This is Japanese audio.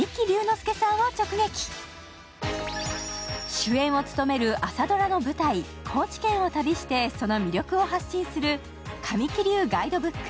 主演を務める朝ドラの舞台、高知県を旅してその魅力を発信する神木流ガイドブック